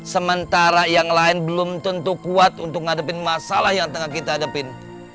sementara yang lain belum tentu kuat untuk menghadapi masalah yang tengah kita hadapin